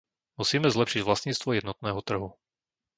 Musíme zlepšiť vlastníctvo jednotného trhu.